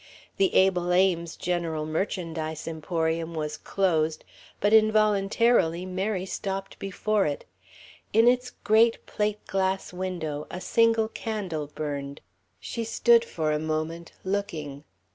The Abel Ames General Merchandise Emporium was closed, but involuntarily Mary stopped before it. In its great plate glass window a single candle burned. She stood for a moment looking.